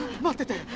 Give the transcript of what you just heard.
待ってて！